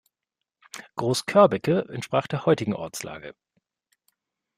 Groß-Körbecke entsprach der heutigen Ortslage.